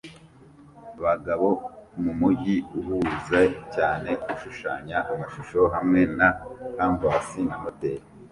abagabo mumujyi uhuze cyane ushushanya amashusho hamwe na canvas na moteri